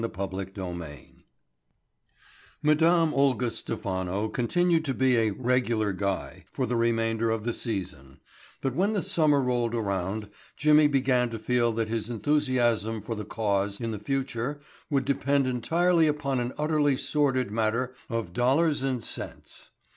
Chapter Twenty Two Madame Olga Stephano continued to be a "regular guy" for the remainder of the season, but when the summer rolled around Jimmy began to feel that his enthusiasm for the cause in the future would depend entirely upon an utterly sordid matter of dollars and cents.